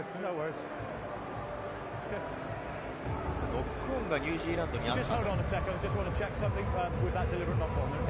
ノックオンがニュージーランドにあった。